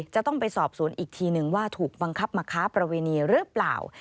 จะต้องไปสอบสวนอีกทีนึงว่าถูกบังคับมาค้าประเวณีหรือเปล่า